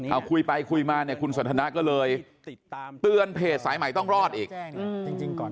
ถ้าคุยไปคุยมาคุณสนทนักก็เลยเตือนเพจสายใหม่ต้องรอดอีก